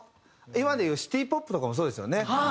今で言うシティ・ポップとかもそうですよね。